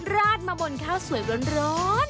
ราดมาบนข้าวสวยร้อน